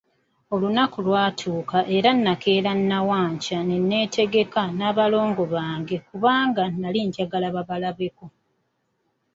Olunaku lwatuuka era nakeera nawankya ne neetegeka n'abalongo bange, kuba nali njagala babalabeko.